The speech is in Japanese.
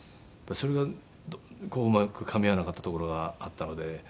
それがこううまくかみ合わなかったところがあったので。